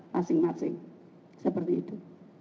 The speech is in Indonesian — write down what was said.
masing masing seperti itu